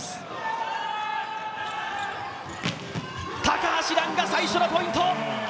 高橋藍が最初のポイント。